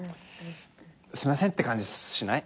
すいませんって感じしない？